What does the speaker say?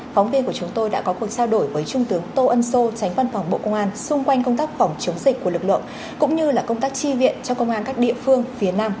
phóng viên của chúng tôi đã có cuộc trao đổi với trung tướng tô ân sô tránh văn phòng bộ công an xung quanh công tác phòng chống dịch của lực lượng cũng như công tác tri viện cho công an các địa phương phía nam